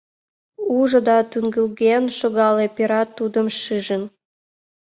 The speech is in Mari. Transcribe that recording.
Ужо да тӱҥгылген шогале, пират тудым шижын.